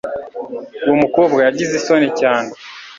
uwo mukobwa yagize isoni cyane